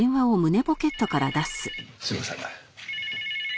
すいません。